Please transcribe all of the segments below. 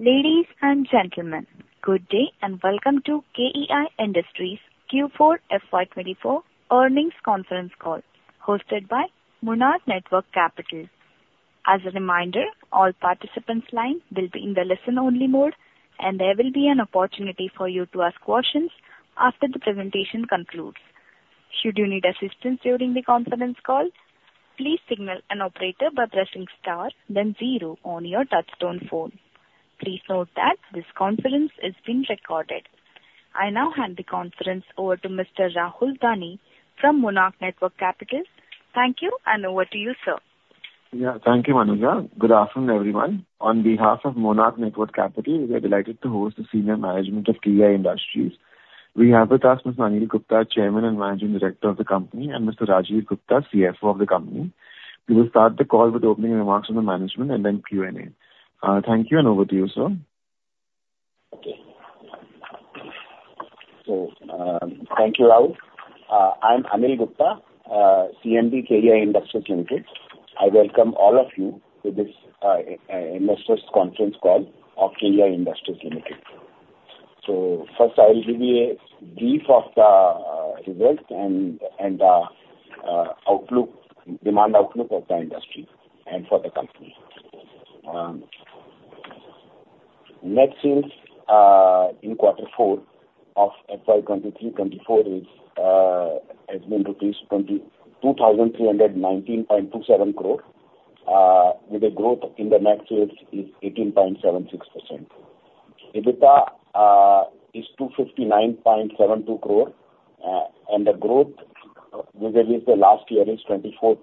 Ladies and gentlemen, good day, and welcome to KEI Industries Q4 FY2024 earnings conference call, hosted by Monarch Networth Capital. As a reminder, all participants' lines will be in the listen-only mode, and there will be an opportunity for you to ask questions after the presentation concludes. Should you need assistance during the conference call, please signal an operator by pressing star then zero on your touchtone phone. Please note that this conference is being recorded. I now hand the conference over to Mr. Rahul Dani from Monarch Networth Capital. Thank you, and over to you, sir. Yeah. Thank you, Manuja. Good afternoon, everyone. On behalf of Monarch Networth Capital, we are delighted to host the senior management of KEI Industries. We have with us Mr. Anil Gupta, Chairman and Managing Director of the company, and Mr. Rajeev Gupta, CFO of the company. We will start the call with opening remarks from the management and then Q&A. Thank you, and over to you, sir. Okay. So, thank you, Rahul. I'm Anil Gupta, CMD, KEI Industries Limited. I welcome all of you to this investors conference call of KEI Industries Limited. So first, I will give you a brief of the results and outlook, demand outlook of the industry and for the company. Net sales in quarter four of FY 2023-2024 is has been 22,319.27 crore, with a growth in the net sales is 18.76%. EBITDA is 259.72 crore, and the growth with, at least the last year, is 24%.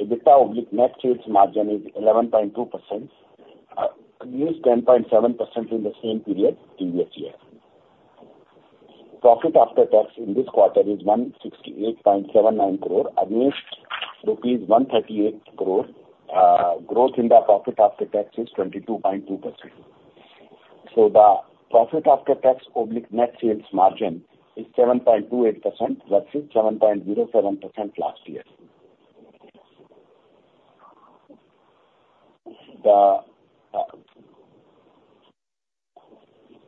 EBITDA/net sales margin is 11.2%, against 10.7% in the same period previous year. Profit after tax in this quarter is INR 168.79 crore against INR 138 crore. Growth in the profit after tax is 22.2%. So the profit after tax/net sales margin is 7.28% versus 7.07% last year. The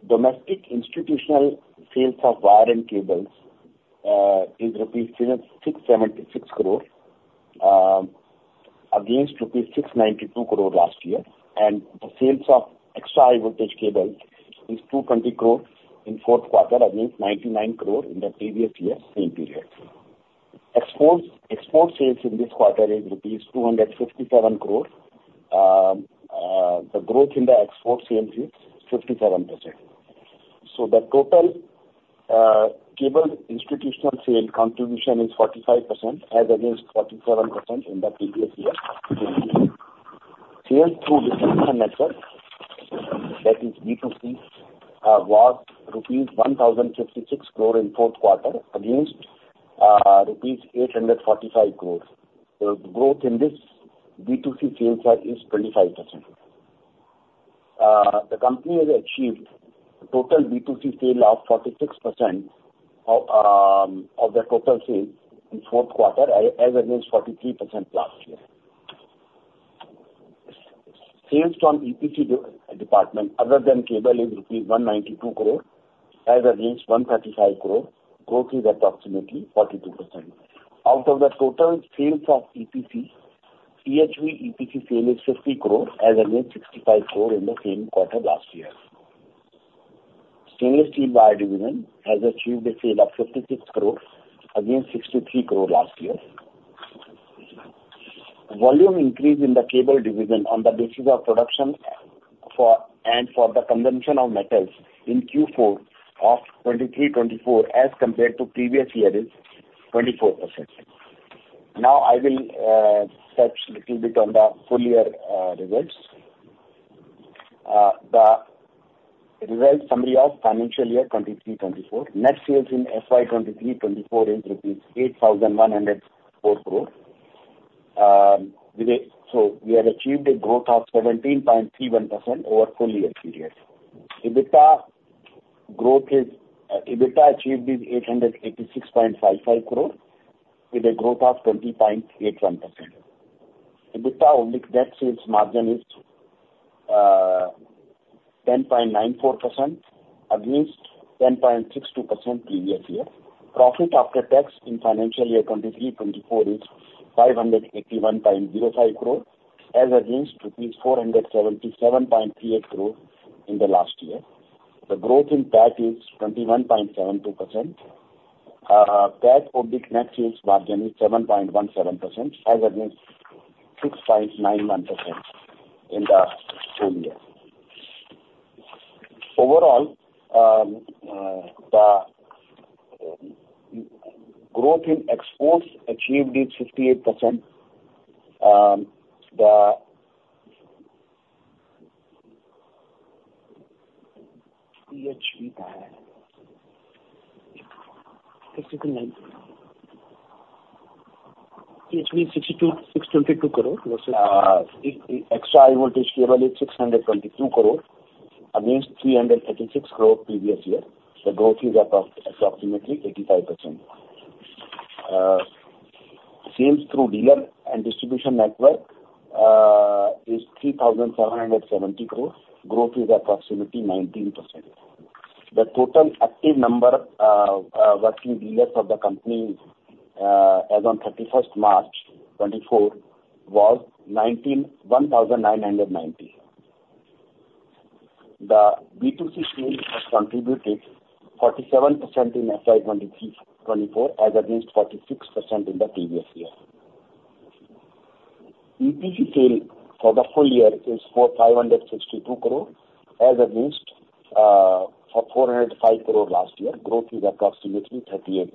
domestic institutional sales of wire and cables is rupees 676 crore against rupees 692 crore last year, and the sales of extra high voltage cables is 220 crore in fourth quarter against 99 crore in the previous year same period. Export sales in this quarter is rupees 257 crore. The growth in the export sales is 57%. So the total cable institutional sale contribution is 45% as against 47% in the previous year. Sales through distribution network, that is B2C, was rupees 1,056 crore in fourth quarter against rupees 845 crore. The growth in this B2C sales side is 25%. The company has achieved total B2C sale of 46% of the total sales in fourth quarter as against 43% last year. Sales from EPC department, other than cable, is rupees 192 crore as against 135 crore. Growth is approximately 42%. Out of the total sales of EPC, EHV EPC sale is 50 crore as against 65 crore in the same quarter last year. Stainless steel wire division has achieved a sale of 56 crore against 63 crore last year. Volume increase in the cable division on the basis of production for, and for the consumption of metals in Q4 of 2023-2024, as compared to previous year, is 24%. Now, I will touch little bit on the full year results. The results summary of financial year 2023-2024. Net sales in FY 2023-2024 is rupees 8,104 crore. With a... So we have achieved a growth of 17.31% over full year period. EBITDA growth is, EBITDA achieved is 886.55 crore with a growth of 20.81%. EBITDA/net sales margin is 10.94% against 10.62% previous year. Profit after tax in financial year 2023-24 is 581.05 crore as against rupees 477.38 crore in the last year. The growth in PAT is 21.72%. PAT/net sales margin is 7.17% as against 6.91% in the same year. Overall, the growth in exports achieved is 58%. The EHV, 69. EHV, 62, INR 622 crore versus- Extra high voltage cable is INR 622 crore against INR 386 crore previous year. The growth is approximately 85%.... Sales through dealer and distribution network is 3,770 crore, growth is approximately 19%. The total active number working dealers of the company as on 31st March 2024 was 1,990. The B2C sales has contributed 47% in FY 2023-2024, as against 46% in the previous year. EPC sale for the full year is 562 crore, as against 405 crore last year, growth is approximately 38%.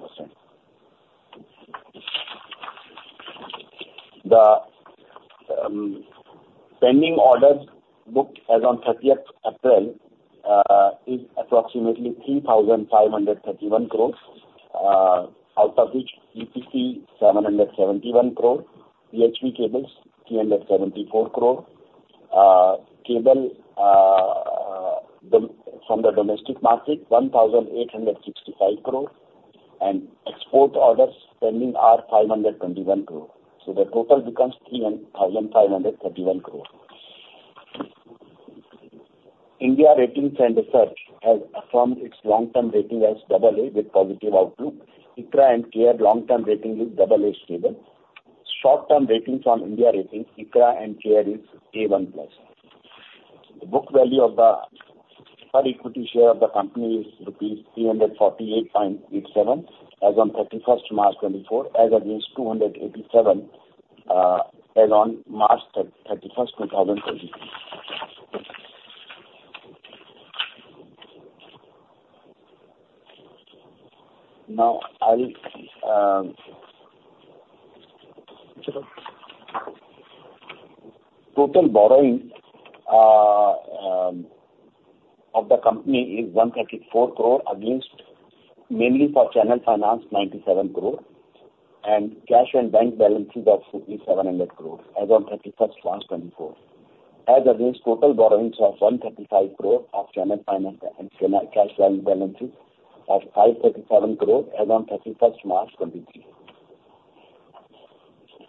The pending orders booked as on 30th April is approximately 3,531 crore, out of which EPC, 771 crore, EHV cables, 374 crore, cable from the domestic market, 1,865 crore, and export orders pending are 521 crore. So the total becomes 3,531 crore. India Ratings and Research has affirmed its long-term rating as AA with positive outlook. ICRA and CARE long-term rating is AA, stable. Short-term ratings on India Ratings and Research, ICRA and CARE is A1+. The book value per equity share of the company is rupees 348.87, as on 31st March 2024, as against 287, as on 31 March 2023. Now, I'll... Total borrowing of the company is 134 crore against mainly for channel finance, 97 crore, and cash and bank balances of 700 crore as on 31 March 2024. As against total borrowings of 135 crore of channel finance and channel cash balance balances of 537 crore as on 31 March 2023.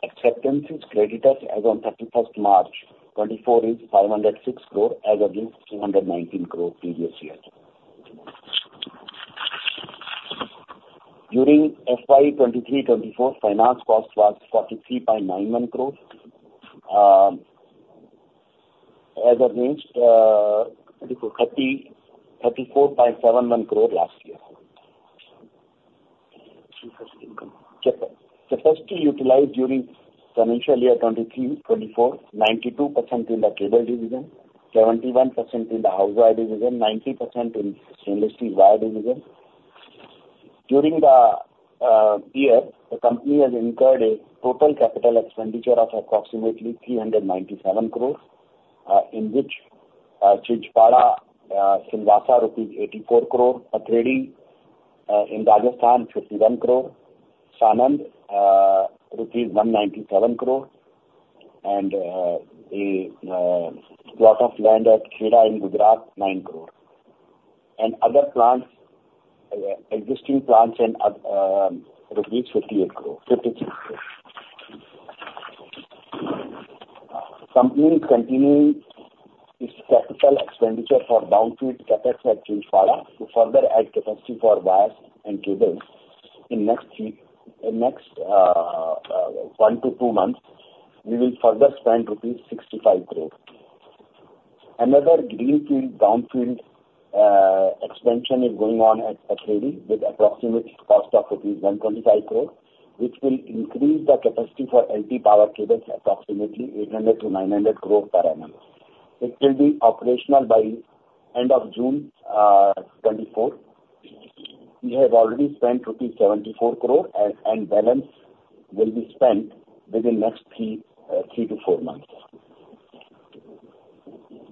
Acceptances creditors as on 31 March 2024 is 506 crore, as against 219 crore previous year. During FY 2023-2024, finance cost was 43.91 crores, as against- Twenty-four. 34.71 crore last year. Capacity income. Capacity utilized during financial year 2023-2024, 92% in the cable division, 71% in the housewire division, 90% in stainless steel wire division. During the year, the company has incurred a total capital expenditure of approximately 397 crore, in which Chinchpada, Silvassa, rupees 84 crore, Pathredi in Rajasthan, 51 crore, Sanand, rupees 197 crore, and a plot of land at Kheda in Gujarat, 9 crore. Other plants, existing plants and 58 crore, 56 crore. Company is continuing its capital expenditure for brownfield CapEx at Chinchpada to further add capacity for wires and cables. In next one to two months, we will further spend rupees 65 crore. Another greenfield brownfield expansion is going on at Pathredi, with approximate cost of rupees 125 crore, which will increase the capacity for LT power cables approximately 800 crore-900 crore per annum. It will be operational by end of June 2024. We have already spent rupees 74 crore, and balance will be spent within next three to four months.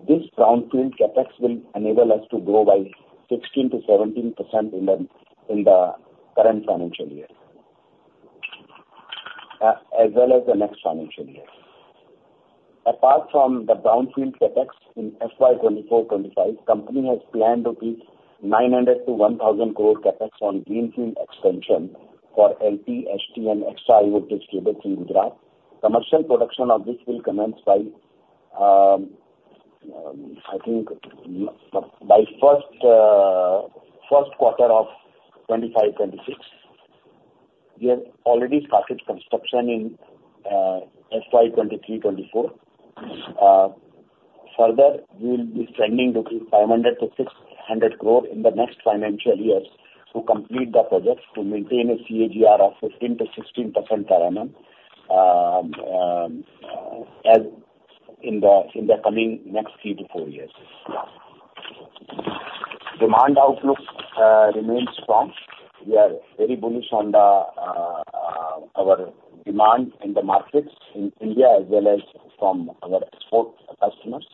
This brownfield CapEx will enable us to grow by 16%-17% in the current financial year, as well as the next financial year. Apart from the brownfield CapEx in FY 2024-2025, company has planned 900 crore-1,000 crore CapEx on greenfield expansion for LT, HT, and extra high voltage cables in Gujarat. Commercial production of this will commence by, I think, by first quarter of 2025-2026. We have already started construction in FY 2023-2024. Further, we will be spending 500 crore-600 crore in the next financial years to complete the projects, to maintain a CAGR of 15%-16% per annum, as in the coming next 3-4 years. Demand outlook remains strong. We are very bullish on our demand in the markets in India, as well as from our export customers.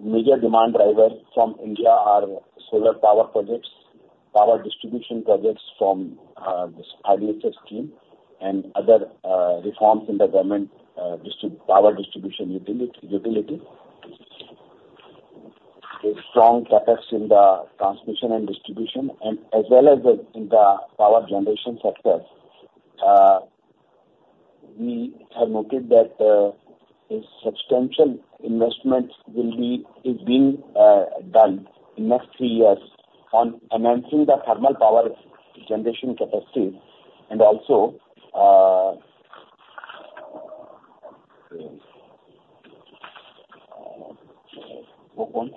Major demand drivers from India are solar power projects, power distribution projects from this RDSS scheme, and other reforms in the government power distribution utility. A strong CapEx in the transmission and distribution, and as well as in the power generation sector. We have noted that a substantial investment will be, is being, done in next three years on enhancing the thermal power generation capacity and also pump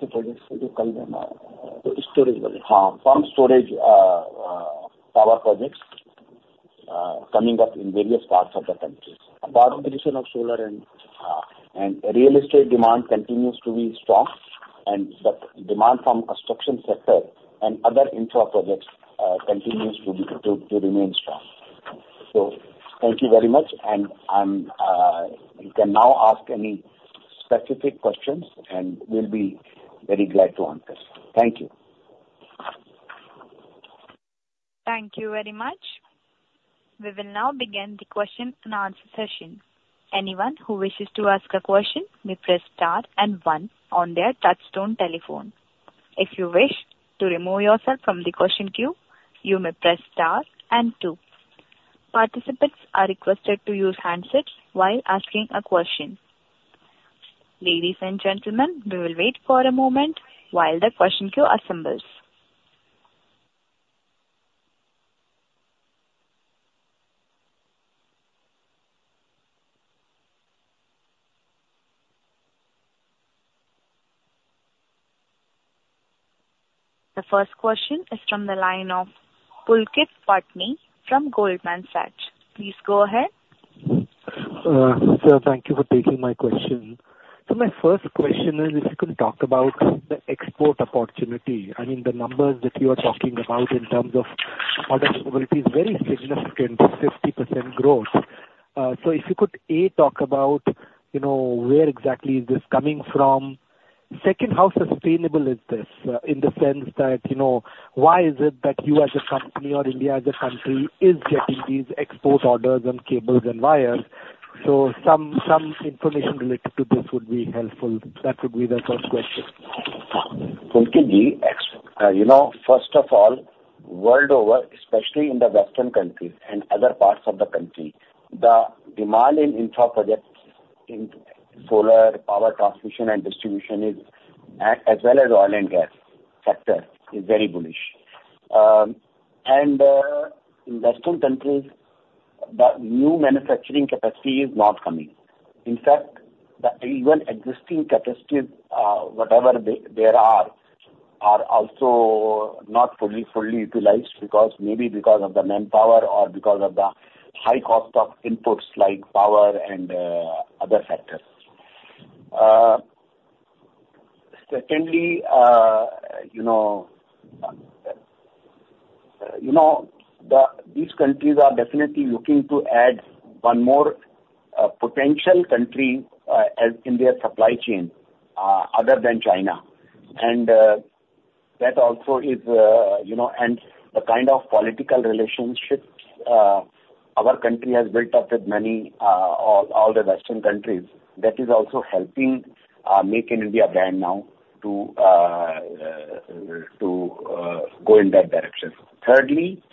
storage power projects coming up in various parts of the country. But addition of solar and- And real estate demand continues to be strong, and the demand from construction sector and other infra projects continues to remain strong. So thank you very much, and you can now ask any specific questions, and we'll be very glad to answer. Thank you. Thank you very much. We will now begin the question-and-answer session. Anyone who wishes to ask a question may press star and one on their touchtone telephone. If you wish to remove yourself from the question queue, you may press star and two. Participants are requested to use handsets while asking a question. Ladies and gentlemen, we will wait for a moment while the question queue assembles. The first question is from the line of Pulkit Patni from Goldman Sachs. Please go ahead. Sir, thank you for taking my question. So my first question is, if you could talk about the export opportunity, I mean, the numbers that you are talking about in terms of order availability is very significant, 50% growth. So if you could, A, talk about, you know, where exactly is this coming from? Second, how sustainable is this, in the sense that, you know, why is it that you as a company or India as a country is getting these export orders on cables and wires? So some information related to this would be helpful. That would be the first question. Pulkit, you know, first of all, world over, especially in the Western countries and other parts of the country, the demand in infra projects, in solar power transmission and distribution, as well as oil and gas sector, is very bullish. In Western countries, the new manufacturing capacity is not coming. In fact, the even existing capacities, whatever there are, are also not fully utilized because maybe because of the manpower or because of the high cost of inputs like power and other factors. Secondly, you know, these countries are definitely looking to add one more potential country as in their supply chain other than China. And that also is, you know... The kind of political relationships our country has built up with many all the Western countries, that is also helping make India brand now to go in that direction. Thirdly,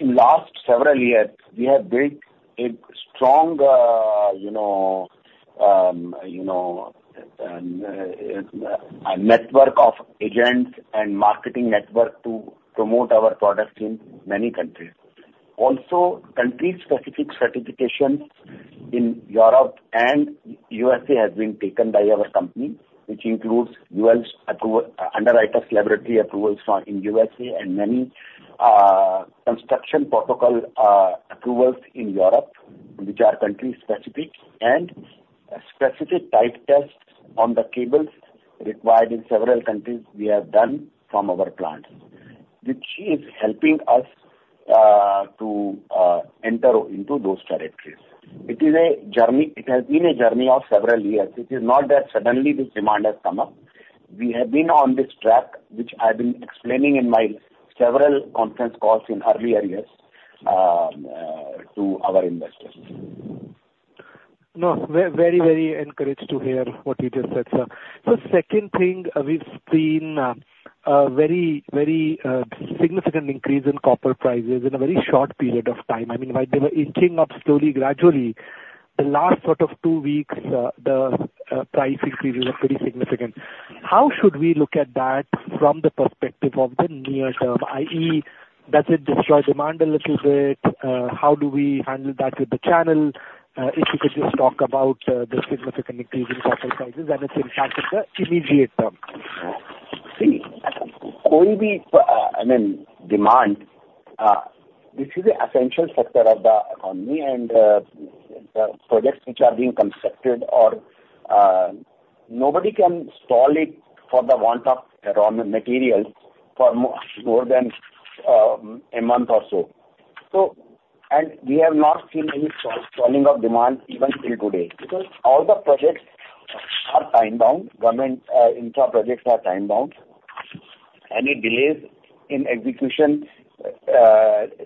in last several years, we have built a strong you know you know a network of agents and marketing network to promote our products in many countries. Also, country-specific certifications in Europe and U.S.A. have been taken by our company, which includes Underwriters Laboratories approvals in U.S.A. and many construction protocol approvals in Europe, which are country-specific. And specific type tests on the cables required in several countries, we have done from our plant, which is helping us to enter into those territories. It has been a journey of several years. It is not that suddenly this demand has come up. We have been on this track, which I've been explaining in my several conference calls in earlier years, to our investors. No, very, very, very encouraged to hear what you just said, sir. So second thing, we've seen a very, very significant increase in copper prices in a very short period of time. I mean, while they were inching up slowly, gradually, the last sort of two weeks, the price increases are pretty significant. How should we look at that from the perspective of the near term, i.e., does it destroy demand a little bit? How do we handle that with the channel? If you could just talk about the significant increase in copper prices and its impact in the immediate term. See, I mean, demand, this is an essential sector of the economy and the projects which are being constructed or nobody can stall it for the want of raw materials for more than a month or so. So, and we have not seen any stalling of demand even till today, because all the projects are time bound. Government infra projects are time bound. Any delays in execution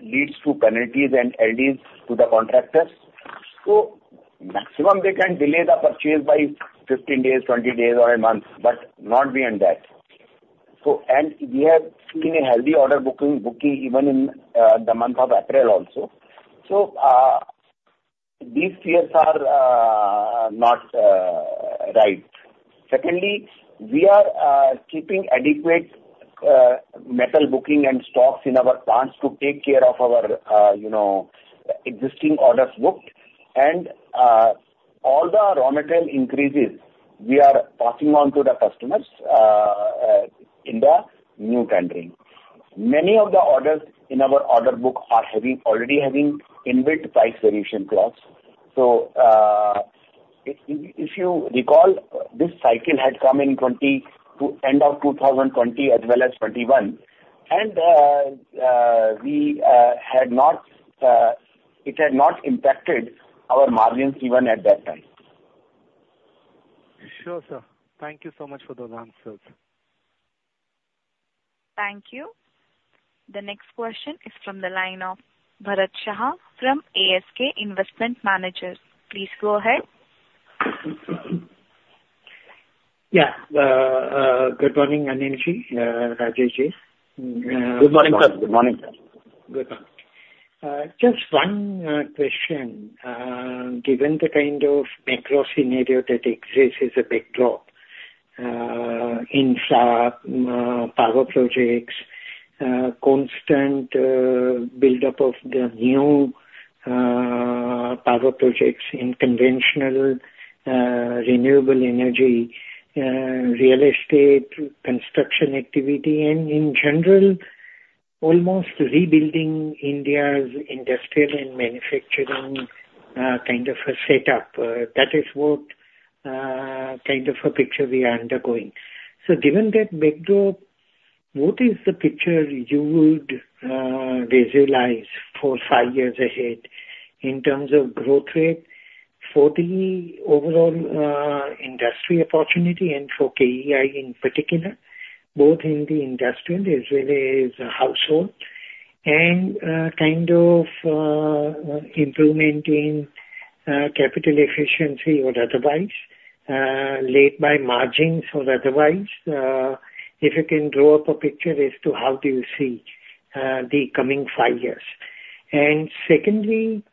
leads to penalties and LDs to the contractors, so maximum they can delay the purchase by 15 days, 20 days or a month, but not beyond that. So and we have seen a healthy order booking even in the month of April also. So, these fears are not right. Secondly, we are keeping adequate metal booking and stocks in our plants to take care of our you know existing orders booked. All the raw material increases, we are passing on to the customers in the new tendering. Many of the orders in our order book are already having inbuilt price variation clause. So if you recall, this cycle had come in 2020 to end of 2020, as well as 2021, and we had not, it had not impacted our margins even at that time. Sure, sir. Thank you so much for those answers. Thank you. The next question is from the line of Bharat Shah from ASK Investment Managers. Please go ahead. Yeah. Good morning, Anil, Rajeev. Good morning, sir. Good morning, sir. Good morning. Just one question. Given the kind of macro scenario that exists as a backdrop, infra, power projects, constant buildup of the new power projects in conventional, renewable energy, real estate, construction activity, and in general, almost rebuilding India's industrial and manufacturing kind of a setup, that is what kind of a picture we are undergoing. So given that backdrop, what is the picture you would visualize for five years ahead in terms of growth rate for the overall industry opportunity and for KEI in particular, both in the industrial as well as household, and kind of improvement in capital efficiency or otherwise, led by margins or otherwise? If you can draw up a picture as to how do you see the coming five years. Secondly,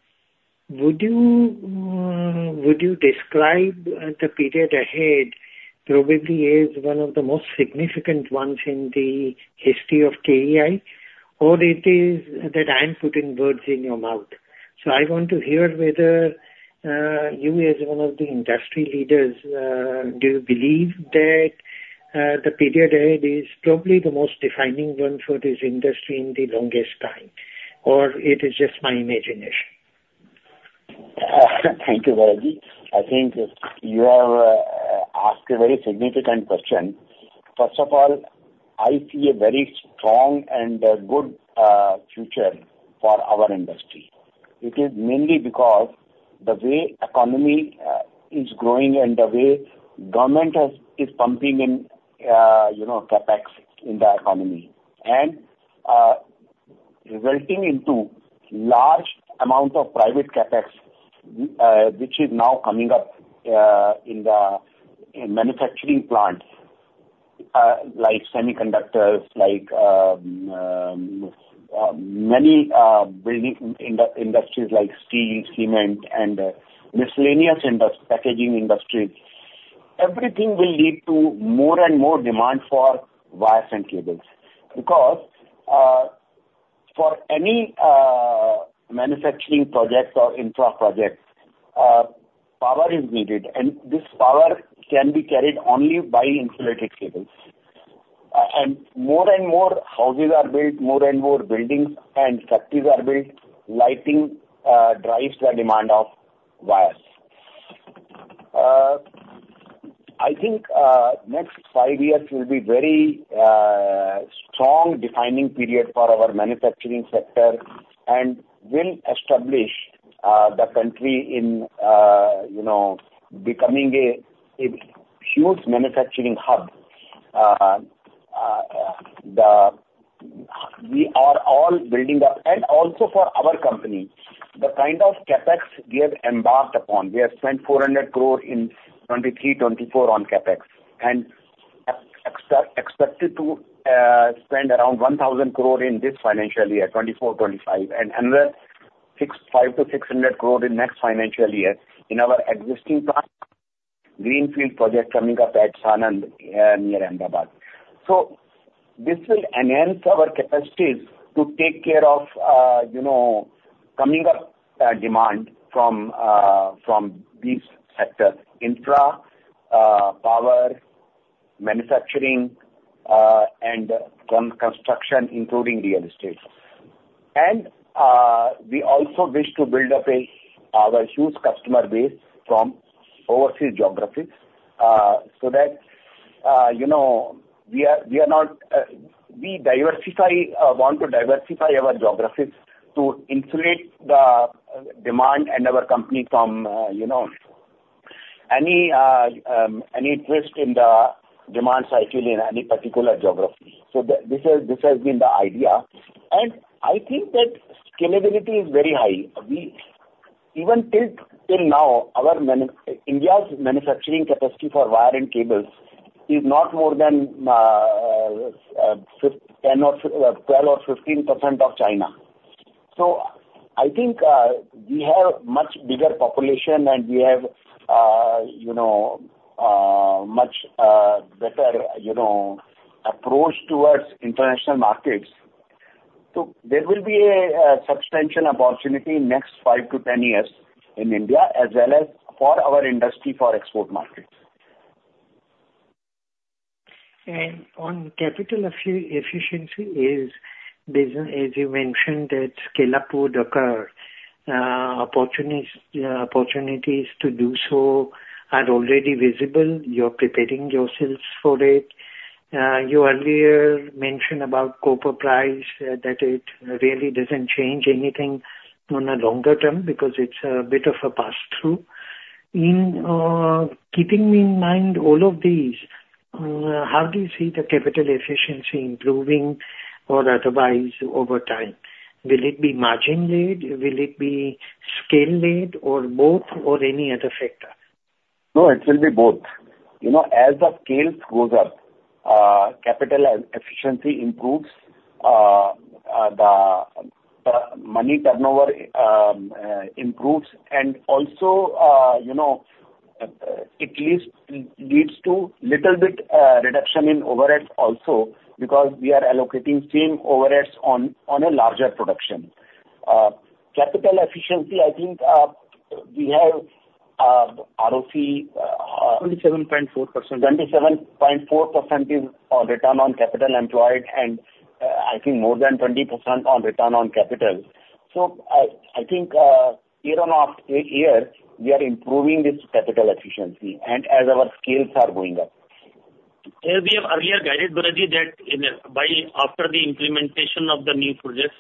would you describe the period ahead probably as one of the most significant ones in the history of KEI? Or is it that I'm putting words in your mouth? I want to hear whether you as one of the industry leaders do you believe that the period ahead is probably the most defining one for this industry in the longest time, or it is just my imagination? Thank you, Bharat. I think you have asked a very significant question. First of all, I see a very strong and a good future for our industry. It is mainly because the way economy is growing and the way government is pumping in, you know, CapEx in the economy, and resulting into large amount of private CapEx, which is now coming up in the manufacturing plants like semiconductors, like many building industries like steel, cement, and miscellaneous industries packaging industry. Everything will lead to more and more demand for wires and cables. Because for any manufacturing projects or infra projects power is needed, and this power can be carried only by insulated cables. And more and more houses are built, more and more buildings and structures are built, lighting drives the demand of wires. I think, next five years will be very, strong defining period for our manufacturing sector and will establish the country in, you know, becoming a huge manufacturing hub. We are all building up. And also for our company, the kind of CapEx we have embarked upon, we have spent 400 crore in 2023-2024 on CapEx, and expected to spend around 1,000 crore in this financial year, 2024-2025, and another 500 crore-600 crore in next financial year in our existing plant, greenfield project coming up at Sanand, near Ahmedabad. So this will enhance our capacities to take care of, you know, coming up demand from these sectors: infra, power, manufacturing, and construction, including real estate. And we also wish to build up our huge customer base from overseas geographies, so that, you know, we are not, we want to diversify our geographies to insulate the demand and our company from, you know, any twist in the demand cycle in any particular geography. So this has been the idea, and I think that scalability is very high. We even till now, India's manufacturing capacity for wire and cables is not more than 10 or 12 or 15% of China. So I think, we have much bigger population, and we have, you know, much better, you know, approach towards international markets. So there will be a substantial opportunity in next 5-10 years in India, as well as for our industry for export markets. And on capital efficiency in business, as you mentioned, that scale-up would occur, opportunities to do so are already visible. You're preparing yourselves for it. You earlier mentioned about copper price, that it really doesn't change anything on a longer term because it's a bit of a pass-through. In keeping in mind all of these, how do you see the capital efficiency improving or otherwise over time? Will it be margin-led, will it be scale-led, or both, or any other factor? No, it will be both. You know, as the scale goes up, capital efficiency improves, the money turnover improves and also, you know, it leads to little bit reduction in overheads also, because we are allocating same overheads on a larger production. Capital efficiency, I think, we have ROC. 27.4%. 27.4% is return on capital employed, and I think more than 20% on return on capital. So I think year-on-year we are improving this capital efficiency and as our scales are going up. As we have earlier guided, Bharat, that by, after the implementation of the new projects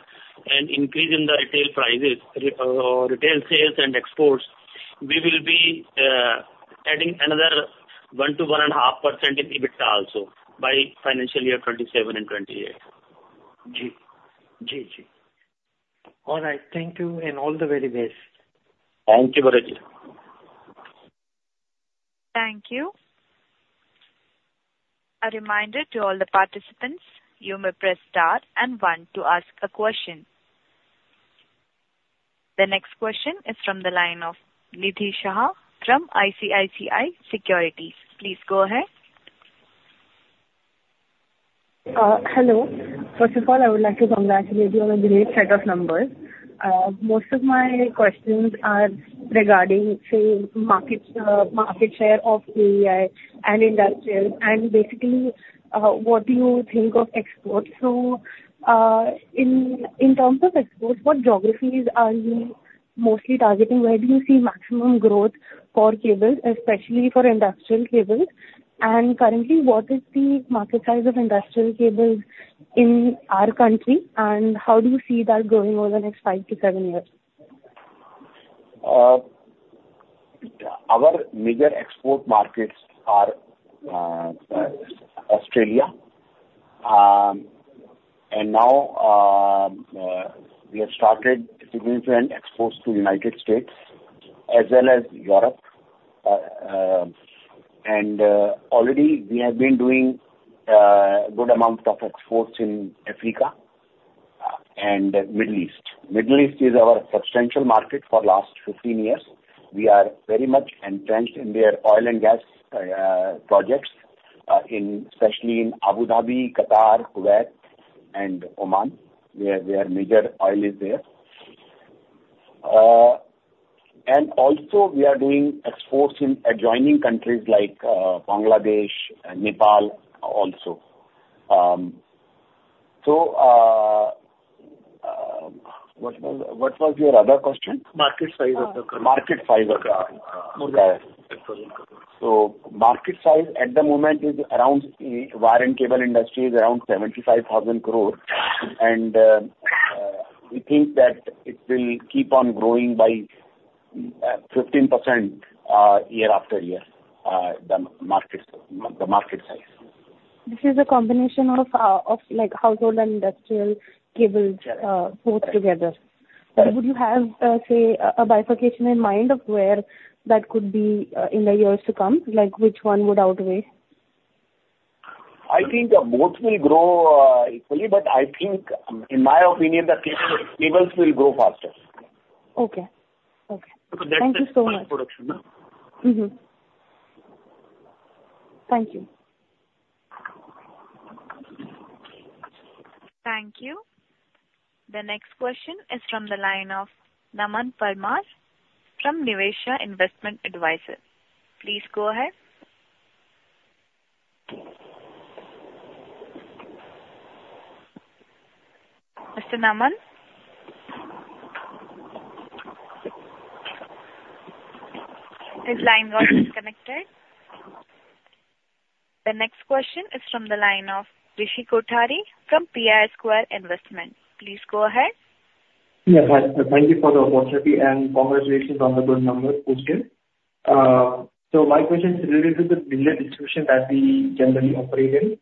and increase in the retail prices, retail sales and exports, we will be adding another 1%-1.5% in EBITDA also, by financial year 2027 and 2028. All right. Thank you, and all the very best. Thank you, Bharat. Thank you. A reminder to all the participants, you may press star and one to ask a question. The next question is from the line of Nidhi Shah from ICICI Securities. Please go ahead. Hello. First of all, I would like to congratulate you on the great set of numbers. Most of my questions are regarding, say, market, market share of KEI and industrials, and basically, what do you think of exports? So, in terms of exports, what geographies are you mostly targeting? Where do you see maximum growth for cables, especially for industrial cables? And currently, what is the market size of industrial cables in our country, and how do you see that growing over the next five to seven years? Our major export markets are Australia. And now we have started significant exports to United States as well as Europe. And already we have been doing good amount of exports in Africa and Middle East. Middle East is our substantial market for last 15 years. We are very much entrenched in their oil and gas projects, especially in Abu Dhabi, Qatar, Kuwait, and Oman, where their major oil is there. And also we are doing exports in adjoining countries like Bangladesh and Nepal, also. What was your other question? Market size of the- Market size of the... More of export. So market size at the moment is around, wire and cable industry is around 75,000 crore. And, we think that it will keep on growing by 15%, year after year, the market size. This is a combination of, like, household and industrial cables, both together. Right. Would you have, say, a bifurcation in mind of where that could be, in the years to come? Like, which one would outweigh? I think, both will grow, equally, but I think, in my opinion, the cable, cables will grow faster. Okay. Okay. So that's- Thank you so much. Production, uh? Mm-hmm. Thank you. Thank you. The next question is from the line of Naman Parmar from Niveshaay Investment Advisors. Please go ahead. Mr. Naman? His line got disconnected.... The next question is from the line of Rishi Kothari from Pi Square Investments. Please go ahead. Yeah, hi. Thank you for the opportunity, and congratulations on the good numbers, once again. So my question is related to the dealer distribution that we generally operate in.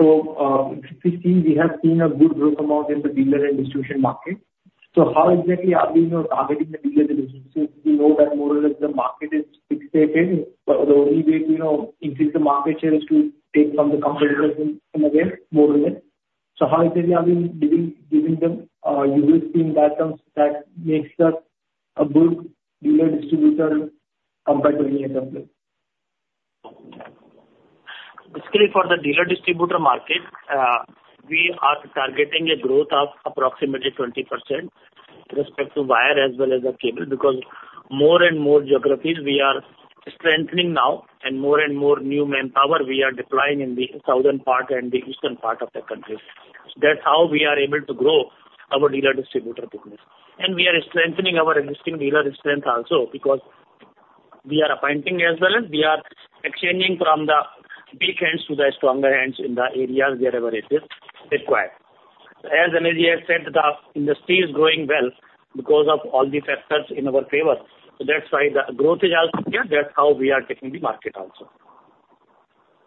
So, if we see, we have seen a good growth amount in the dealer and distribution market. So how exactly are we, you know, targeting the dealer distribution? We know that more or less the market is fixed state, but the only way to, you know, increase the market share is to take from the competitors in, in a way, more or less. So how exactly are we giving, giving them unique team that comes, that makes us a good dealer distributor compared to any other player? Basically, for the dealer distributor market, we are targeting a growth of approximately 20% with respect to wire as well as the cable, because more and more geographies we are strengthening now, and more and more new manpower we are deploying in the southern part and the eastern part of the country. That's how we are able to grow our dealer distributor business. We are strengthening our existing dealer strength also, because we are appointing as well as we are exchanging from the weak hands to the stronger hands in the areas wherever it is required. As Anuj has said, the industry is growing well because of all these factors in our favor, so that's why the growth is out there. That's how we are taking the market also.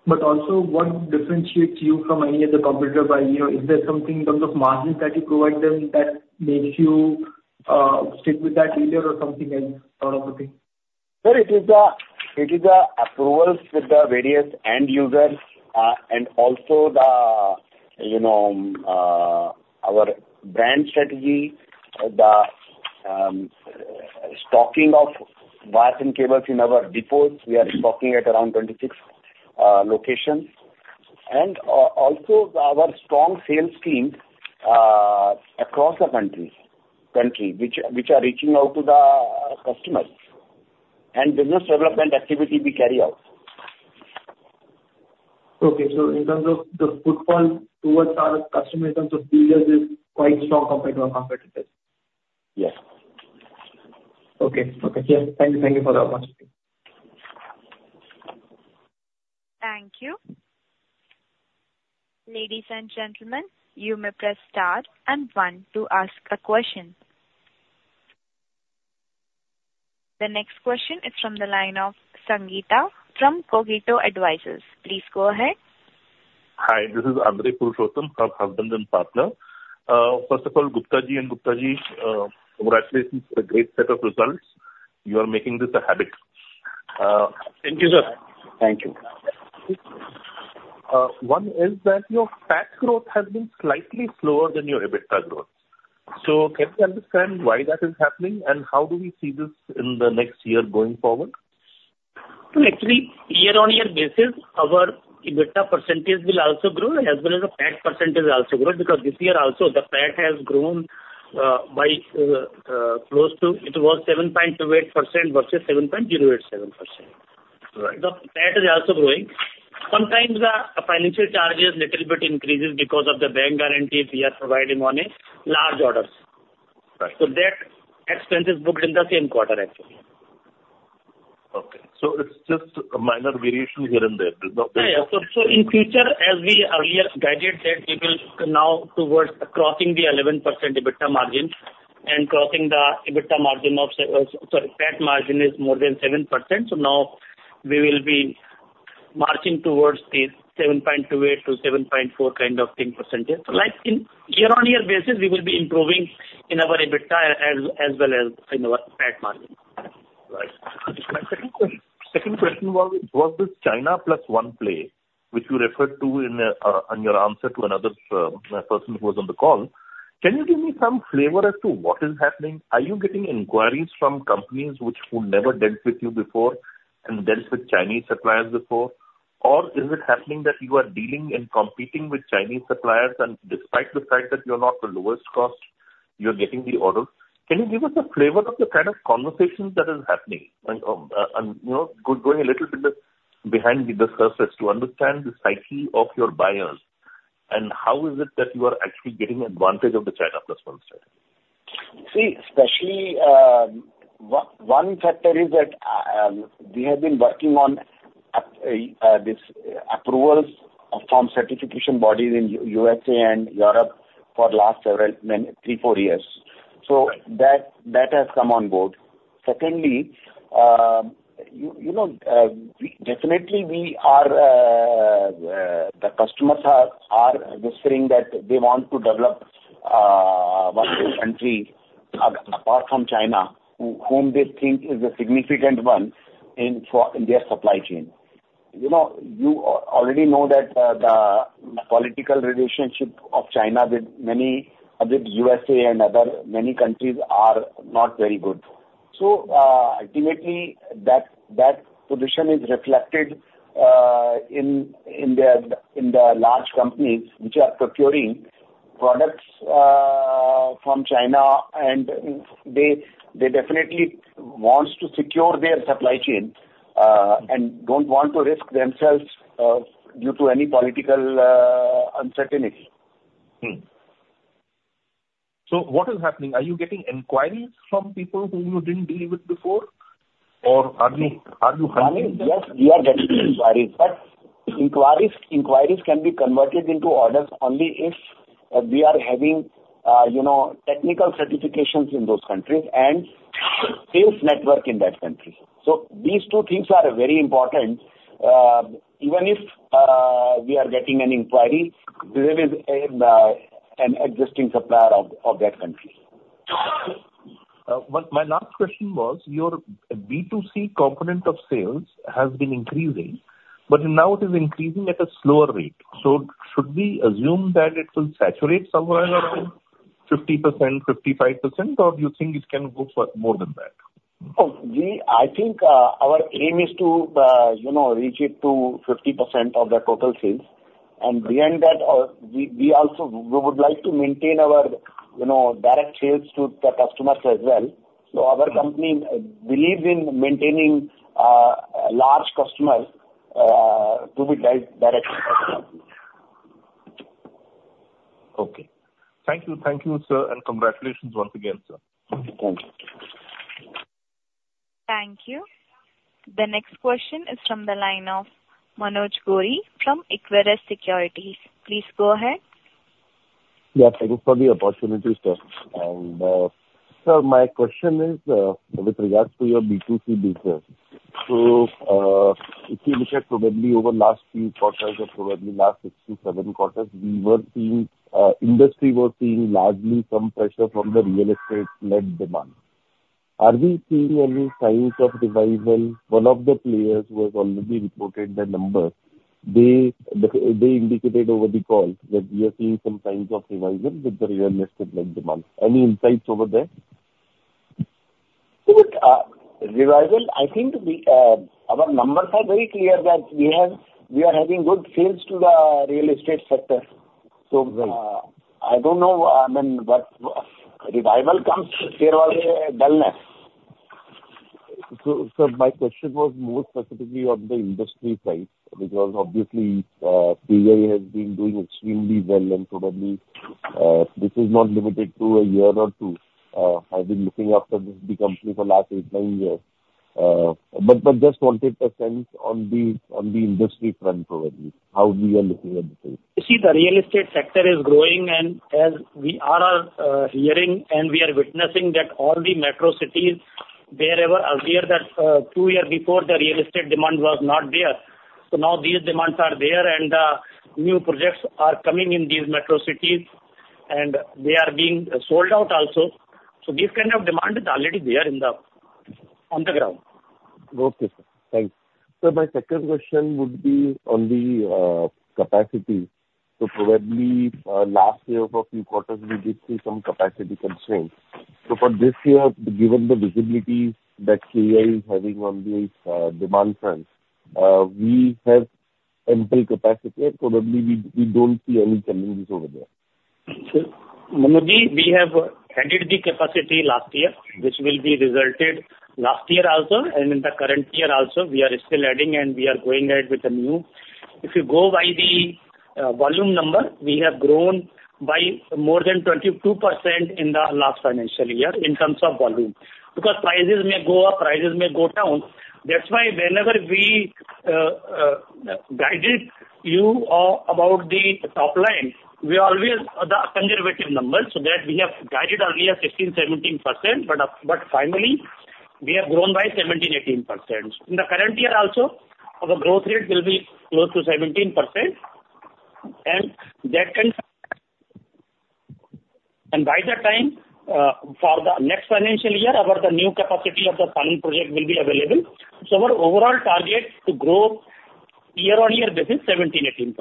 But also, what differentiates you from any other competitor by, you know, is there something in terms of margins that you provide them that makes you stick with that dealer or something else, sort of a thing? Sir, it is the approvals with the various end users, and also the, you know, our brand strategy, the stocking of wires and cables in our depots. We are stocking at around 26 locations, and also our strong sales team across the country, which are reaching out to the customers. And business development activity we carry out. Okay. So in terms of the footfall towards our customers, in terms of dealers, is quite strong compared to our competitors? Yes. Okay. Okay. Yes. Thank you, thank you for the opportunity. Thank you. Ladies and gentlemen, you may press Star and One to ask a question. The next question is from the line of Sangeeta from Cogito Advisors. Please go ahead. Hi, this is Andrey Purushottam her husband and partner. First of all, Gupta and Gupta, congratulations for the great set of results. You are making this a habit. Thank you, sir. Thank you. One is that your PAT growth has been slightly slower than your EBITDA growth. So can you understand why that is happening, and how do we see this in the next year going forward? So actually, year-on-year basis, our EBITDA percentage will also grow as well as the PAT percentage will also grow, because this year also, the PAT has grown by close to. It was 7.28% versus 7.087%. Right. The PAT is also growing. Sometimes the finance charges little bit increases because of the bank guarantees we are providing on large orders. Right. That expense is booked in the same quarter, actually. Okay. So it's just a minor variation here and there? There's no- Yeah. So in future, as we earlier guided, that we will now towards crossing the 11% EBITDA margin and crossing the EBITDA margin of, PAT margin is more than 7%. So now we will be marching towards the 7.28%-7.4% kind of thing percentage. Like, in year-on-year basis, we will be improving in our EBITDA as well as in our PAT margin. Right. My second question, second question was, was this China Plus One play, which you referred to in on your answer to another person who was on the call. Can you give me some flavor as to what is happening? Are you getting inquiries from companies which who never dealt with you before and dealt with Chinese suppliers before? Or is it happening that you are dealing and competing with Chinese suppliers, and despite the fact that you're not the lowest cost, you're getting the orders? Can you give us a flavor of the kind of conversations that is happening? And, you know, going a little bit behind the surface to understand the psyche of your buyers, and how is it that you are actually getting advantage of the China Plus One strategy? See, especially, one factor is that we have been working on this approvals from certification bodies in U.S.A. and Europe for last several, many, 3, 4 years. So that has come on board. Secondly, you know, definitely we are, the customers are wishing that they want to develop one country apart from China, whom they think is a significant one in for, in their supply chain. You know, you already know that, the political relationship of China with many, with U.S.A. and other many countries are not very good. Ultimately, that position is reflected in the large companies which are procuring products from China, and they definitely wants to secure their supply chain and don't want to risk themselves due to any political uncertainty. What is happening? Are you getting inquiries from people whom you didn't deal with before, or are you handling them? Yes, we are getting inquiries, but inquiries, inquiries can be converted into orders only if we are having, you know, technical certifications in those countries and sales network in that country. So these two things are very important. Even if, we are getting an inquiry, there is an, an existing supplier of, of that country. My last question was, your B2C component of sales has been increasing, but now it is increasing at a slower rate. Should we assume that it will saturate somewhere around 50%, 55%, or do you think it can go for more than that? Oh, we—I think our aim is to, you know, reach it to 50% of the total sales, and beyond that, we also would like to maintain our, you know, direct sales to the customers as well. So our company believes in maintaining large customers to drive directly. Okay. Thank you. Thank you, sir, and congratulations once again, sir. Thank you. Thank you. The next question is from the line of Manoj Gori from Equirus Securities. Please go ahead. Yeah, thank you for the opportunity, sir. Sir, my question is, with regards to your B2C business. If you look at probably over last few quarters or probably last 6-7 quarters, we were seeing, industry was seeing largely some pressure from the real estate-led demand. Are we seeing any signs of revival? One of the players who has already reported the numbers, they indicated over the call that we are seeing some signs of revival with the real estate-led demand. Any insights over there? So with revival, I think our numbers are very clear that we have, we are having good sales to the real estate sector. Right. I don't know when, but revival comes. There was a dullness. So, so my question was more specifically on the industry side, because obviously, KEI has been doing extremely well, and probably, this is not limited to a year or two. I've been looking after this, the company for last 8, 9 years. But, but just wanted a sense on the industry front, probably, how we are looking at the sales. You see, the real estate sector is growing, and as we all are hearing and we are witnessing that all the metro cities, wherever are there, that two years before, the real estate demand was not there. So now these demands are there, and new projects are coming in these metro cities, and they are being sold out also. So this kind of demand is already there in the on the ground. Okay, sir. Thank you. Sir, my second question would be on the capacity. So probably last year for few quarters, we did see some capacity constraints. So for this year, given the visibility that KEI is having on the demand front, we have ample capacity, and probably we don't see any challenges over there. Manoj, we have added the capacity last year, which will be resulted last year also, and in the current year also, we are still adding, and we are going ahead with the new. If you go by the volume number, we have grown by more than 22% in the last financial year in terms of volume. Because prices may go up, prices may go down. That's why whenever we guided you about the top line, we always are the conservative numbers, so that we have guided only a 16%-17%, but finally, we have grown by 17%-18%. In the current year also, our growth rate will be close to 17%, and that can. And by the time, for the next financial year, our the new capacity of the Sanand project will be available. Our overall target to grow year-over-year basis, 17%-18%.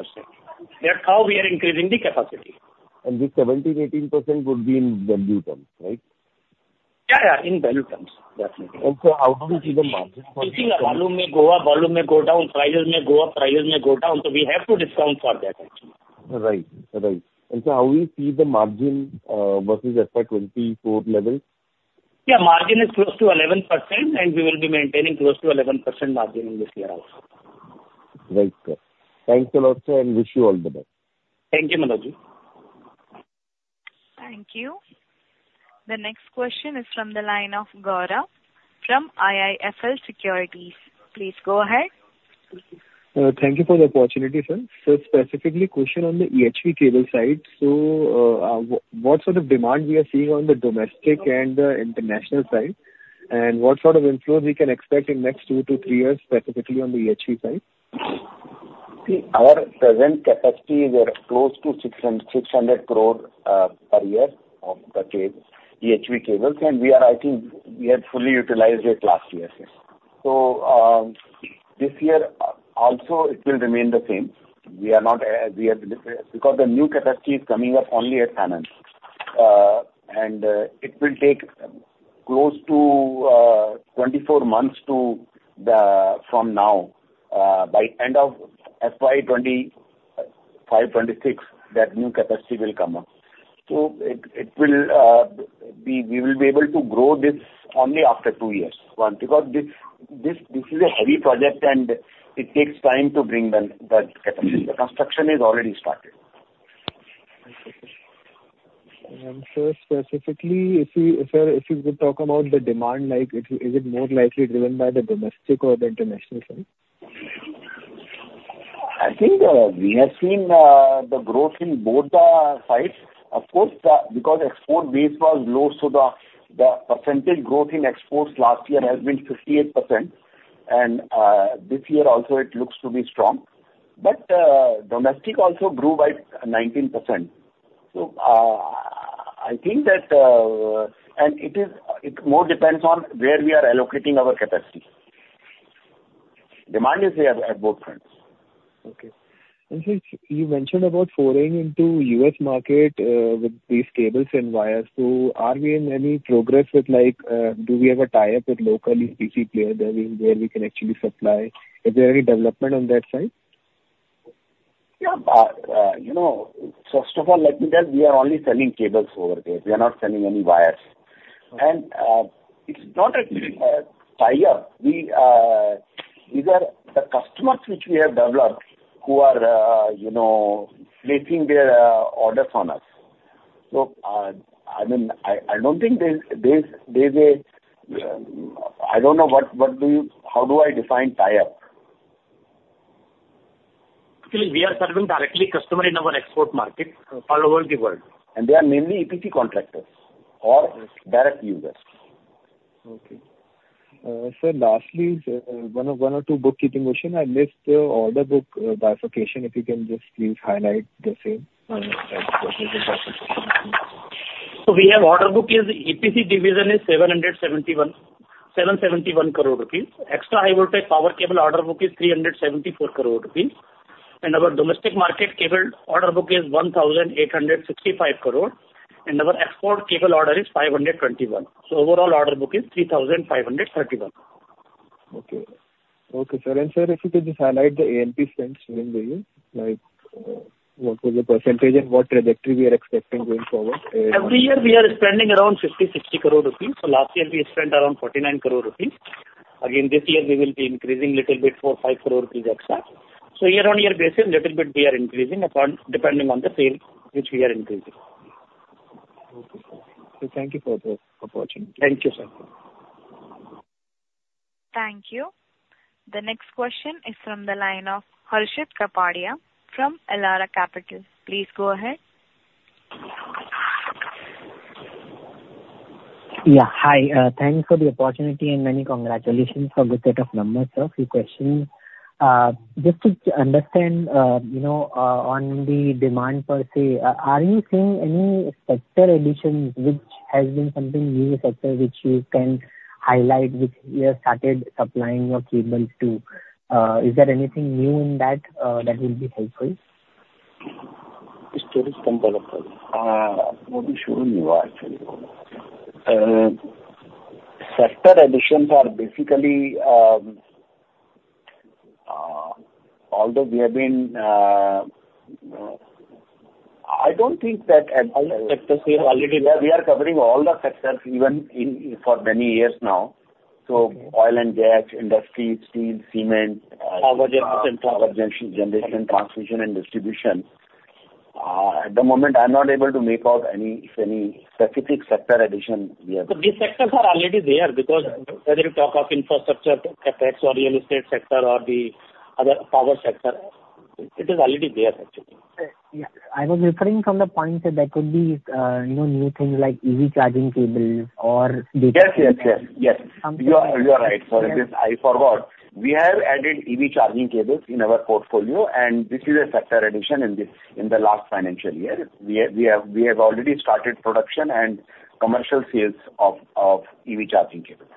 That's how we are increasing the capacity. This 17%-18% would be in value terms, right? Yeah, yeah, in value terms, definitely. How do you see the margin? You see, volume may go up, volume may go down, prices may go up, prices may go down, so we have to discount for that actually. Right. Right. And so how we see the margin versus FY 2024 level? Yeah, margin is close to 11%, and we will be maintaining close to 11% margin in this year also. Right, sir. Thanks a lot, sir, and wish you all the best. Thank you, Manoj. Thank you. The next question is from the line of Gaurav from IIFL Securities. Please go ahead. Thank you for the opportunity, sir. So specifically question on the EHV cable side. So, what sort of demand we are seeing on the domestic and international side? And what sort of influence we can expect in next 2-3 years, specifically on the EHV side? See, our present capacity is at close to 600 crore per year of the cable, EHV cables, and we are... I think we had fully utilized it last year, sir. So, this year also it will remain the same. We are not, we are... Because the new capacity is coming up only at Sanand, and it will take close to 24 months to from now, by end of FY 2025-2026, that new capacity will come up. So it, it will. ...we will be able to grow this only after two years. One, because this is a heavy project and it takes time to bring the capacity. The construction is already started. And so specifically, sir, if you could talk about the demand, like, is it more likely driven by the domestic or the international side? I think we have seen the growth in both the sides. Of course, because export base was low, so the percentage growth in exports last year has been 58%, and this year also it looks to be strong. But domestic also grew by 19%. So I think that... And it is, it more depends on where we are allocating our capacity. Demand is there at both fronts. Okay. And sir, you mentioned about foraying into U.S. market with these cables and wires. So are we in any progress with like, do we have a tie-up with local EPC player there, where we can actually supply? Is there any development on that side? Yeah. You know, first of all, let me tell, we are only selling cables over there. We are not selling any wires. And it's not a tie-up. These are the customers which we have developed who are, you know, placing their orders on us. So, I mean, I don't think there's a... I don't know, what, what do you—how do I define tie-up? Actually, we are serving directly customer in our export market all over the world. They are mainly EPC contractors or direct users. Okay. Sir, lastly, one or two bookkeeping question. I missed the order book bifurcation, if you can just please highlight the same. We have order book is EPC division is 771 crore, INR 771 crore rupees. Extra high voltage power cable order book is 374 crore rupees, and our domestic market cable order book is 1,865 crore, and our export cable order is 521 crore. Overall order book is 3,531 crore. Okay. Okay, sir, and sir, if you could just highlight the A&P spending billion, like, what was the percentage and what trajectory we are expecting going forward? Every year we are spending around 50 crore-60 crore rupees. So last year we spent around 49 crore rupees. Again, this year we will be increasing little bit, 4 crore-5 crore rupees extra. So year-on-year basis, little bit we are increasing upon depending on the sale, which we are increasing. Okay. So thank you for the opportunity. Thank you, sir. Thank you. The next question is from the line of Harshit Kapadia from Elara Capital. Please go ahead. Yeah, hi. Thank you for the opportunity and many congratulations for good set of numbers, sir. Few questions. Just to understand, you know, on the demand per se, are you seeing any sector additions which has been something new in the sector, which you can highlight, which we have started supplying your cables to? Is there anything new in that, that will be helpful? Let me show you actually. Sector additions are basically, although we have been... I don't think that- All the sectors we have already- Yeah, we are covering all the sectors, even in, for many years now. So oil and gas, industry, steel, cement. Power generation. Power generation, transmission and distribution. At the moment, I'm not able to make out any, if any, specific sector addition we have. These sectors are already there, because whether you talk of infrastructure effects or real estate sector or the other power sector, it is already there, actually. Yeah, I was referring from the point that there could be, you know, new things like EV charging cable or- Yes, yes, yes. Yes, you are, you are right, sir. This I forgot. We have added EV Charging Cables in our portfolio, and this is a sector addition in this, in the last financial year. We have already started production and commercial sales of EV Charging Cables.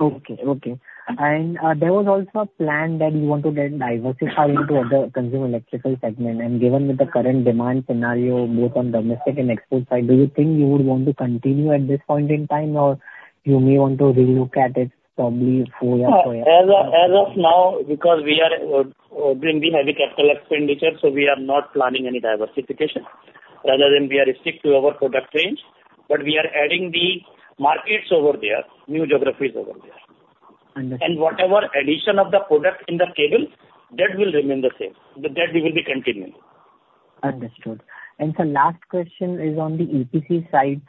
Okay, okay. There was also a plan that you want to then diversify into other consumer electrical segment. Given with the current demand scenario, both on domestic and export side, do you think you would want to continue at this point in time? Or you may want to relook at it probably four years from now? As of now, because we are doing the heavy capital expenditure, so we are not planning any diversification, rather than we are strict to our product range. But we are adding the markets over there, new geographies over there. Understood. Whatever addition of the product in the cable, that will remain the same. That we will be continuing. Understood. And sir, last question is on the EPC side.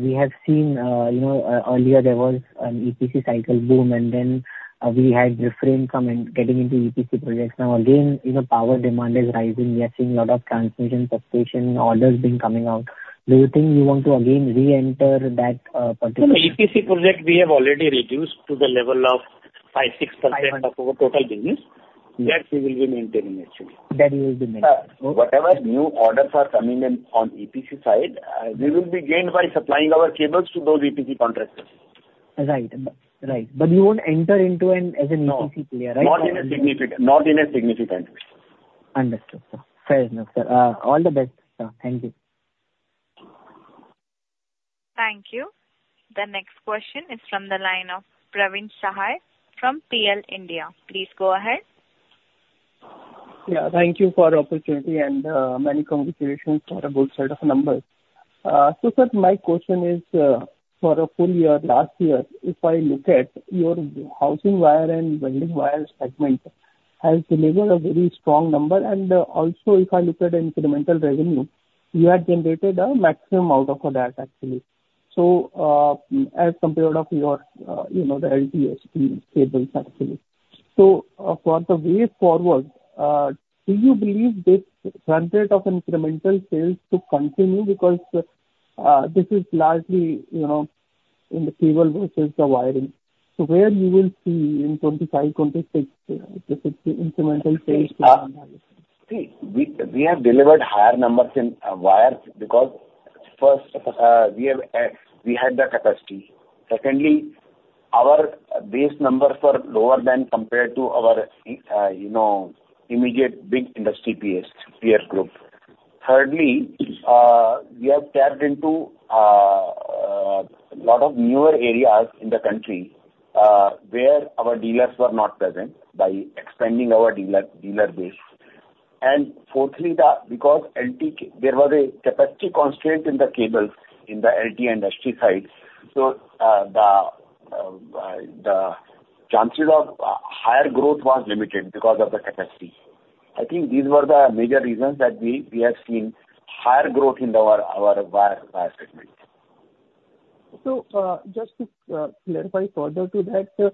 We have seen, you know, earlier there was an EPC cycle boom, and then we had refrained from getting into EPC projects. Now, again, you know, power demand is rising. We are seeing a lot of transmission substation orders coming out. Do you think you want to again reenter that particular? No, EPC project we have already reduced to the level of 5%-6% of our total business. That we will be maintaining, actually. That you will be maintaining. Whatever new orders are coming in on EPC side, we will be gained by supplying our cables to those EPC contractors. Right. Right. But you won't enter into an, as an EPC player, right? No, not in a significant way. Understood, sir. Fair enough, sir. All the best, sir. Thank you. Thank you. The next question is from the line of Praveen Sahay from PL India. Please go ahead. ... Yeah, thank you for the opportunity and, many congratulations for a good set of numbers. So sir, my question is, for a full year, last year, if I look at your housewire and welding wire segment, has delivered a very strong number, and, also if I look at incremental revenue, you have generated a maximum out of that, actually. So, as compared to your, you know, the LT/HT cables, actually. So, for the way forward, do you believe this of incremental sales to continue? Because, this is largely, you know, in the cable versus the wiring. So where you will see in 2025, 2026, if it's the incremental sales. See, we have delivered higher numbers in wire, because first, we had the capacity. Secondly, our base numbers were lower than compared to our, you know, immediate big industry peers, peer group. Thirdly, we have tapped into a lot of newer areas in the country, where our dealers were not present, by expanding our dealer base. And fourthly, because LT, there was a capacity constraint in the cables, in the LT industry side, so the chances of higher growth was limited because of the capacity. I think these were the major reasons that we have seen higher growth in our wire segment. So, just to clarify further to that,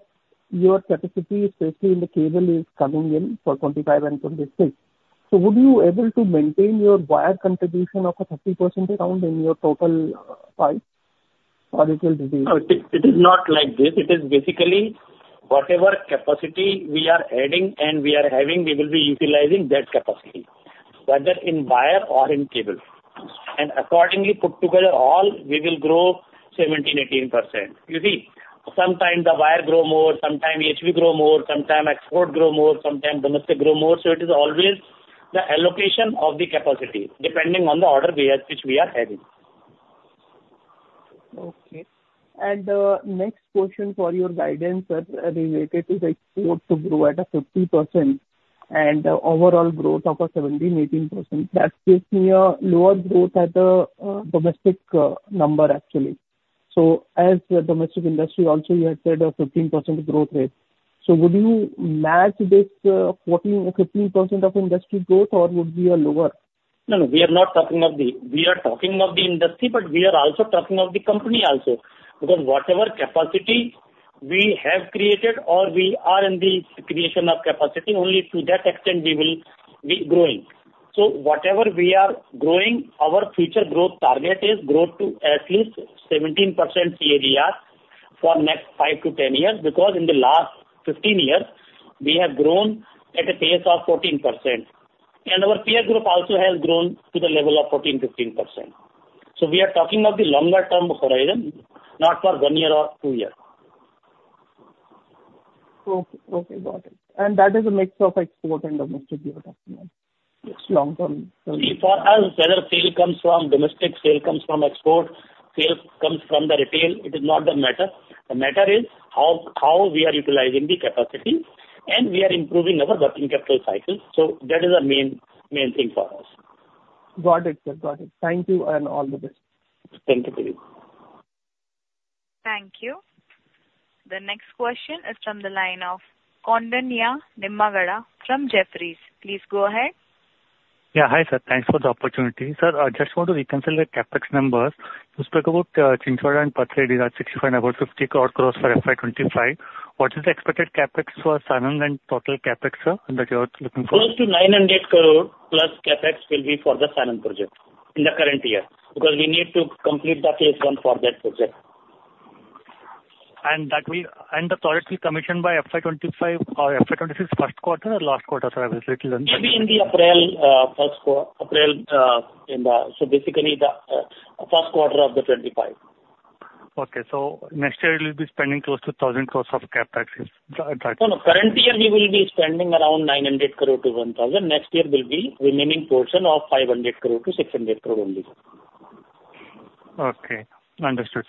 your capacity, especially in the cable, is coming in for 2025 and 2026. So would you able to maintain your wire contribution of a 30% around in your total pie, or it will be- No, it is not like this. It is basically whatever capacity we are adding and we are having, we will be utilizing that capacity, whether in wire or in cable. And accordingly, put together all, we will grow 17%-18%. You see, sometimes the wire grow more, sometimes HV grow more, sometimes export grow more, sometimes domestic grow more, so it is always the allocation of the capacity, depending on the order we are, which we are having. Okay. And, next question for your guidance, sir, related to the export to grow at a 50% and the overall growth of a 17%-18%. That seems me a lower growth at the, domestic, number, actually. So as the domestic industry, also you had said a 15% growth rate. So would you match this, 14% or 15% of industry growth, or would be a lower? No, no, we are not talking of the... We are talking of the industry, but we are also talking of the company also. Because whatever capacity we have created or we are in the creation of capacity, only to that extent we will be growing. So whatever we are growing, our future growth target is growth to at least 17% CAGR for next 5-10 years, because in the last 15 years, we have grown at a pace of 14%, and our peer group also has grown to the level of 14%-15%. So we are talking of the longer term horizon, not for one year or two year. Okay, okay, got it. And that is a mix of export and domestic you are talking about? It's long term. For us, whether sale comes from domestic, sale comes from export, sale comes from the retail, it is not the matter. The matter is how, how we are utilizing the capacity, and we are improving our working capital cycle. So that is the main, main thing for us. Got it, sir. Got it. Thank you, and all the best. Thank you to you. Thank you. The next question is from the line of Koundinya Nimmagadda from Jefferies. Please go ahead. Yeah. Hi, sir. Thanks for the opportunity. Sir, I just want to reconcile the CapEx numbers. You spoke about Chinchpada and Pathredi are INR 65 crore and about INR 50 crore for FY 2025. What is the expected CapEx for Sanand and total CapEx, sir, that you are looking for? Close to 900 crore plus CapEx will be for the Sanand project in the current year, because we need to complete the phase one for that project. And the project will be commissioned by FY 2025 or FY 2025's first quarter or last quarter, sir? I was a little confused. Maybe in the April, April in the... So basically, the first quarter of 2025. Okay. So next year you will be spending close to 1,000 crore of CapEx, is that right? No, no. Current year, we will be spending around 900 crore-1,000 crore. Next year will be remaining portion of 500 crore-600 crore only. Okay. Understood.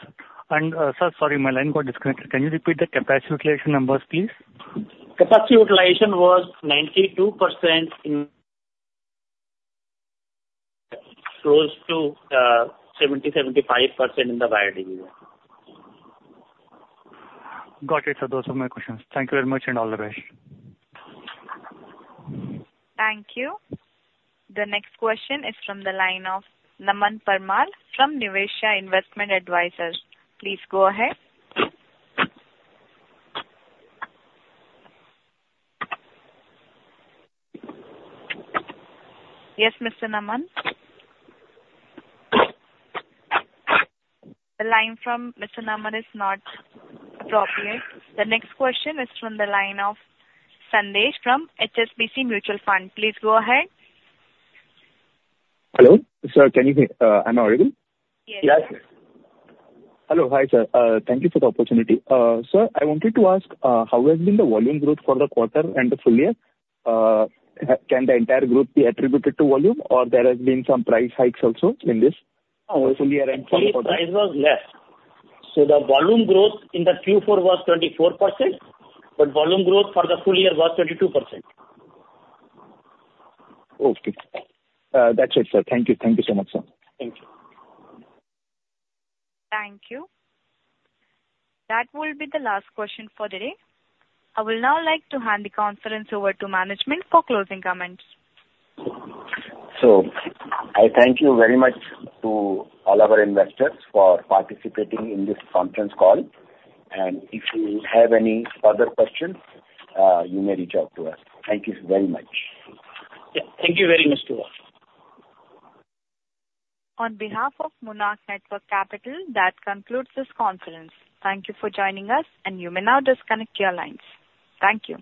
And, sir, sorry, my line got disconnected. Can you repeat the capacity utilization numbers, please? Capacity utilization was 92% in close to 75% in the wire division. Got it, sir. Those were my questions. Thank you very much, and all the best. Thank you. The next question is from the line of Naman Parmar from Nivesha Investment Advisors. Please go ahead. Yes, Mr. Naman? The line from Mr. Naman is not appropriate. The next question is from the line of Sandesh from HSBC Mutual Fund. Please go ahead. Hello, sir, can you hear? Am I audible? Yes. Yes. Hello, hi, sir. Thank you for the opportunity. Sir, I wanted to ask, how has been the volume growth for the quarter and the full year? Can the entire growth be attributed to volume, or there has been some price hikes also in this full year and for the quarter? Price was less. So the volume growth in the Q4 was 24%, but volume growth for the full year was 22%. Okay. That's it, sir. Thank you. Thank you so much, sir. Thank you. Thank you. That will be the last question for the day. I will now like to hand the conference over to management for closing comments. I thank you very much to all our investors for participating in this conference call, and if you have any further questions, you may reach out to us. Thank you very much. Yeah. Thank you very much to all. On behalf of Monarch Networth Capital, that concludes this conference. Thank you for joining us, and you may now disconnect your lines. Thank you.